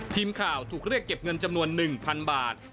ทีมข่าวถูกเรียกเก็บเงินจำนวน๑๐๐๐บาท